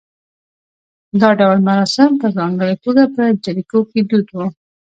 دا ډول مراسم په ځانګړې توګه په جریکو کې دود و